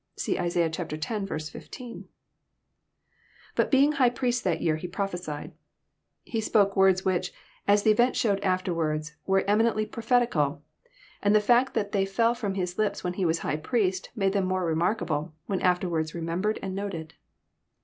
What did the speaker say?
(See Isa. x. 15.) IBui being high priest that year^ h^ prophesied,] He spoke words which, as the event showed afterwards, were eminently prophetical ; and the fact that they fell from his lips when he was high priest made them more remarkable, when afterwards remembered and noted.